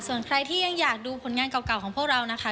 ส่วนใครที่ยังอยากดูผลงานเก่าของพวกเรานะคะ